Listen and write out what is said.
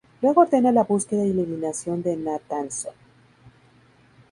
Luego ordena la búsqueda y eliminación de Nathanson.